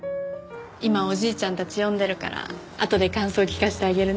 今おじいちゃんたち読んでるからあとで感想聞かせてあげるね。